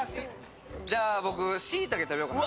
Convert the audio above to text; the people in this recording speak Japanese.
じゃあ、僕、しいたけ食べようかな。